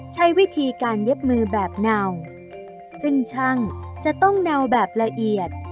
ใช้วิธีการเย็บมือแบบเนาซึ่งช่างจะต้องเนาแบบละเอียด